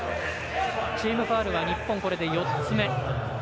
チームファウルは日本４つ目。